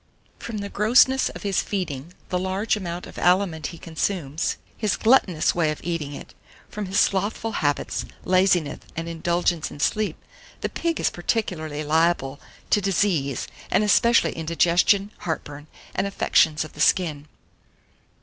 772. FROM THE GROSSNESS OF HIS FEEDING, the large amount of aliment he consumes, his gluttonous way of eating it, from his slothful habits, laziness, and indulgence in sleep, the pig is particularly liable to disease, and especially indigestion, heartburn, and affections of the skin.